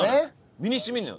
身に染みるのよ。